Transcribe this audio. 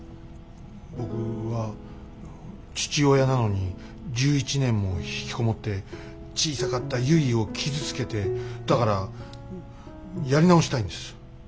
僕は父親なのに１１年もひきこもって小さかったゆいを傷つけてだからやり直したいんです。